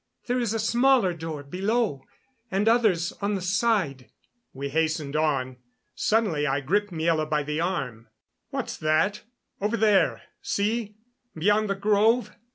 "There is a smaller door below, and others on the side." We hastened on. Suddenly I gripped Miela by the arm. "What's that over there see, beyond the grove?"